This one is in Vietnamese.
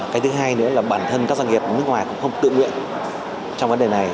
cái thứ hai nữa là bản thân các doanh nghiệp nước ngoài cũng không tự nguyện trong vấn đề này